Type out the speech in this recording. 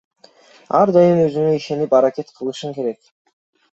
Ар дайым өзүңө ишенип аракет кылышың керек.